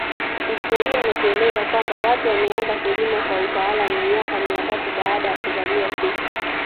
Historia inatueleza kwamba watu wameanza kulima kwa utaalamu miaka mitatu baada ya kuzaliwa kristo